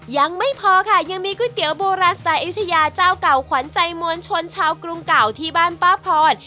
ยังไม่พอค่ะยังมีก๋วยเตี๋ยวโบราณสไตล์อายุทยาเจ้าเก่าขวัญใจมวลชนชาวกรุงเก่าที่บ้านป้าพร